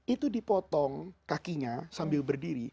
itu dipotong kakinya sambil berdiri